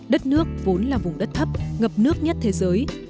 đất nước vốn là vùng đất thấp ngập nước nhất thế giới